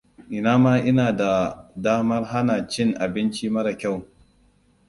Ina ma ina da damar hana cin abinci mara kyau.